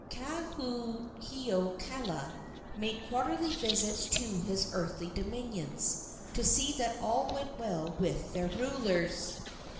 Kaonohiokala made quarterly visits to his earthly dominions, to see that all went well with their rulers.